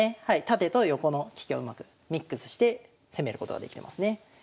縦と横の利きをうまくミックスして攻めることができてますね。